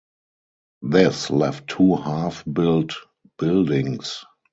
This left two half built buildings.